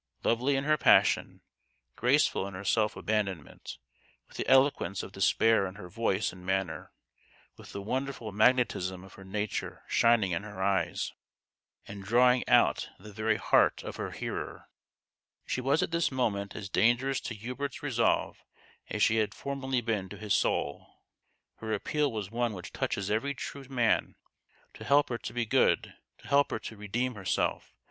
Lovely in her passion, graceful in her self abandonment, with the eloquence of despair in her voice and manner, with the wonderful magnetism of her nature shining in her eyes and drawing out the very heart of her hearer, she was at this moment as dangerous to Hubert's resolve as she had formerly been to his soul. Her appeal was one which touches every true man. To help her to be good ! to help her to a a: THE GHOST OF THE PAST. 187 redeem herself!